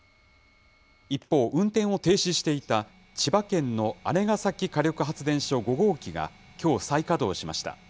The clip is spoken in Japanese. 一方、運転を停止していた千葉県の姉崎火力発電所５号機がきょう再稼働しました。